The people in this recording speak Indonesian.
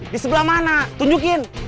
di sebelah mana tunjukin